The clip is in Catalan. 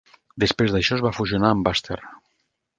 Després d'això es va fusionar amb Buster.